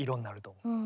うん。